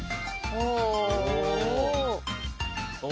お。